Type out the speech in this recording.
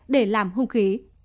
để làm hung khí